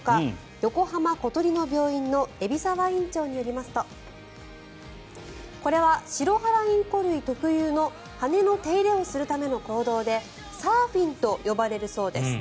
横浜小鳥の病院の海老沢院長によりますとこれはシロハラインコ類特有の羽の手入れをするための行動でサーフィンと呼ばれるそうです。